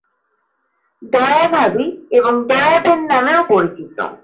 দয়া ভাবী এবং দয়া বেন নামেও পরিচিত।